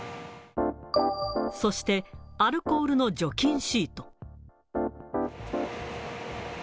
そして、アルコールの除菌シート。